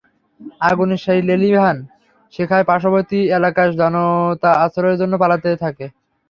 আগুনের সেই লেলিহান শিখায় পার্শ্ববর্তী এলাকার জনতা আশ্রয়ের জন্য পালাতে থাকে।